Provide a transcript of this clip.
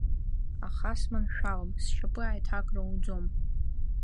Аха сманшәалам сшьап аиҭакра ауӡом.